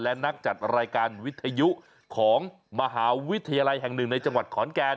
และนักจัดรายการวิทยุของมหาวิทยาลัยแห่งหนึ่งในจังหวัดขอนแก่น